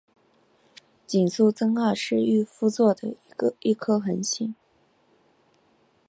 井宿增二是御夫座的一颗恒星。